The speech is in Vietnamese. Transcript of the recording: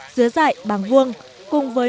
dứa dại bằng vuông cùng với